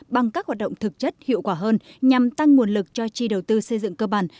bằng các hoạt động thực chất hiệu quả hơn nhằm tăng nguồn lực cho chi đầu tư xây dựng cơ bản